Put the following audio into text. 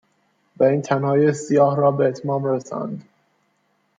و این تنهایی سیاه را به اتمام رساند.